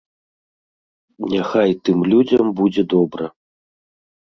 Няхай тым людзям будзе добра.